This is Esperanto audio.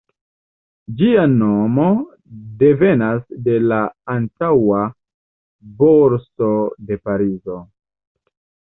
Ĝia nomo devenas de la antaŭa Borso de Parizo.